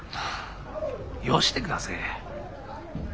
よしてくだせえ。